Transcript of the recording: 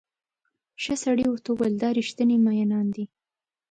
ښه سړي ورته وویل دا ریښتیني مئینان دي.